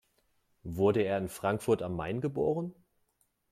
Wurde er in Frankfurt am Main geboren?